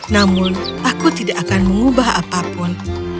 namun aku tidak akan mengubah apapun